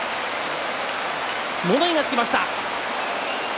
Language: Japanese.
物言いがつきました。